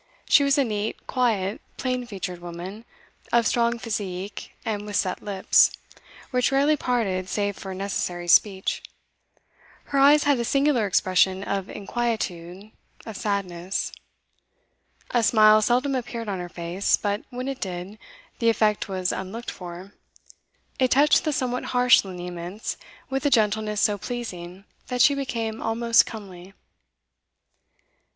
She was a neat, quiet, plain featured woman, of strong physique, and with set lips, which rarely parted save for necessary speech. Her eyes had a singular expression of inquietude, of sadness. A smile seldom appeared on her face, but, when it did, the effect was unlooked for: it touched the somewhat harsh lineaments with a gentleness so pleasing that she became almost comely.